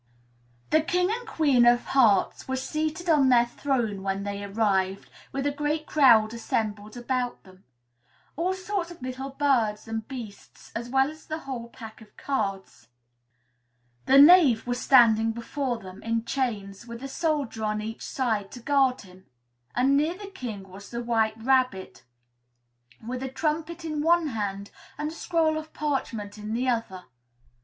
The King and Queen of Hearts were seated on their throne when they arrived, with a great crowd assembled about them all sorts of little birds and beasts, as well as the whole pack of cards: the Knave was standing before them, in chains, with a soldier on each side to guard him; and near the King was the White Rabbit, with a trumpet in one hand and a scroll of parchment in the other.